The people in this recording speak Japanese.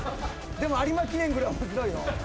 でも有馬記念ぐらい面白いよ。